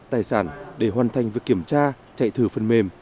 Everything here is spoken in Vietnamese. tài sản để hoàn thành việc kiểm tra chạy thử phần mềm